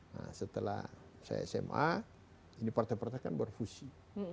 nah setelah saya sma ini partai partai kan berfungsi